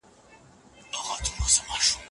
حکومتي سانسور د عامو خلګو فکري وده ودروله.